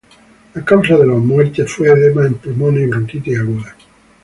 La causa de la muerte fue edema en los pulmones y bronquitis aguda.